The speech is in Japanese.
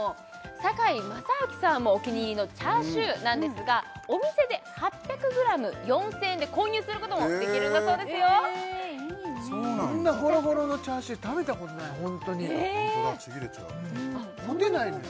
堺正章さんもお気に入りのチャーシューなんですがお店で８００ｇ４０００円で購入することもできるんだそうですよへいいねそうなんだこんなホロホロのチャーシュー食べたことないホントにホントだちぎれちゃう持てないのよ